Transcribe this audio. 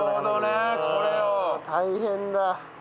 大変だ。